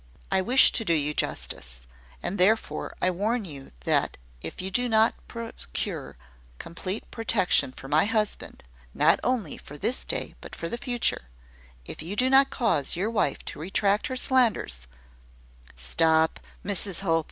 "I wish to do you justice; and therefore I warn you that if you do not procure complete protection for my husband not only for this day but for the future; if you do not cause your wife to retract her slanders " "Stop, Mrs Hope!